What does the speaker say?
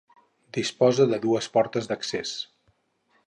Disposa de dues portes d'accés.